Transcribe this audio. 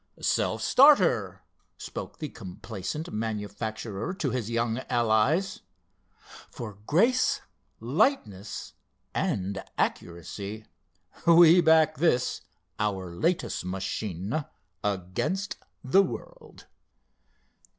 "Self starter," spoke the complacent manufacturer to his young allies. "For grace, lightness and accuracy we back this, our latest machine, against the world."